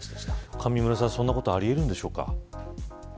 上村さんそんなことはあり得るのですか。